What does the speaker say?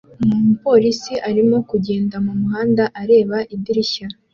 Umupolisi arimo kugenda mumuhanda areba idirishya